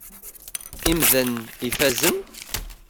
Imdanen ifazen?